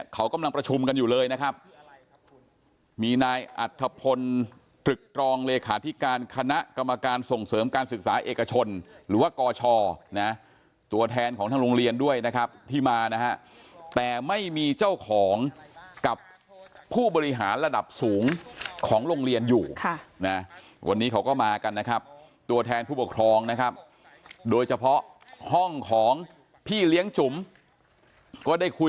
เขากำลังประชุมกันอยู่เลยนะครับมีนายอัธพลตรึกตรองเลขาธิการคณะกรรมการส่งเสริมการศึกษาเอกชนหรือว่ากชนะตัวแทนของทางโรงเรียนด้วยนะครับที่มานะฮะแต่ไม่มีเจ้าของกับผู้บริหารระดับสูงของโรงเรียนอยู่ค่ะนะวันนี้เขาก็มากันนะครับตัวแทนผู้ปกครองนะครับโดยเฉพาะห้องของพี่เลี้ยงจุ๋มก็ได้คุย